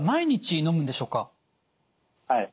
はい。